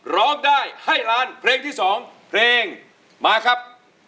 ร้องได้ให้ล้านเพลงที่๒เพลงมาครับ